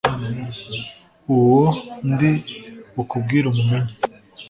uwo ndi bukubwire umumenye